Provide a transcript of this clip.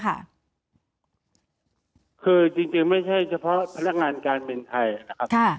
คือจริงไม่ใช่เฉพาะพนักงานการเปลี่ยนไทย